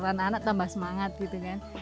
anak anak tambah semangat gitu kan